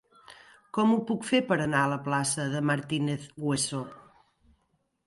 Com ho puc fer per anar a la plaça de Martínez Hueso?